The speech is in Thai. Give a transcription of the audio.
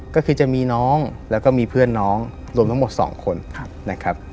ก็คือจะมีน้องแล้วก็มีเพื่อนน้องรวมทั้งหมด๒คนนะครับ